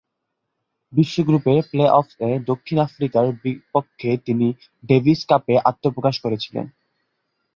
বিশ্ব গ্রুপের প্লে অফস-এ দক্ষিণ আফ্রিকার বিপক্ষে তিনি ডেভিস কাপে আত্মপ্রকাশ করেছিলেন।